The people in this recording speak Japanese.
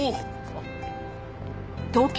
あっ。